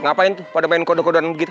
ngapain tuh pada main kodok kodokan gitu